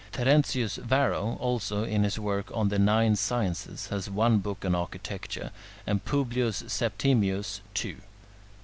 Terentius Varro, also, in his work "On the Nine Sciences" has one book on architecture, and Publius Septimius, two.